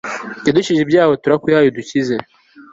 yadukijije ibyaha turakwihaye, udukize